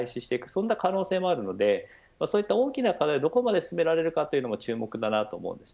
そんな可能性もあるのでそういった大きな課題をどこまで進められるのかも注目です。